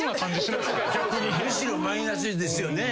むしろマイナスですよね。